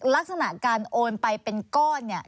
ลักษณะการโอนไปเป็นก้อนเนี่ย